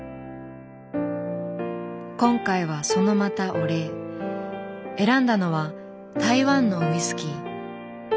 今回はそのまたお礼。選んだのは台湾のウイスキー。